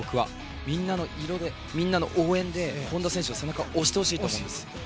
みんなの色で、みんなの応援で本多選手の背中を押してほしいんです。